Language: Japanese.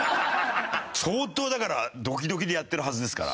相当だからドキドキでやってるはずですから。